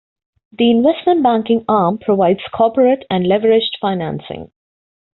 The investment banking arm provides corporate and leveraged financing.